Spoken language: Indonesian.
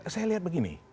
saya lihat begini